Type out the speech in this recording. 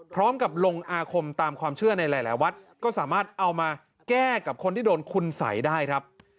พร้อมกับลงอาคมตามความเชื่อในหลายวัดก็สามารถเอามาแก้กับคนที่โดนคุณสัยได้ครับ